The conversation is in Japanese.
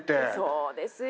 そうですよ。